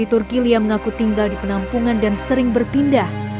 di turki lia mengaku tinggal di penampungan dan sering berpindah